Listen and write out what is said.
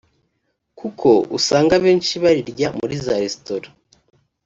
kuko usanga abenshi barirya muri za resitora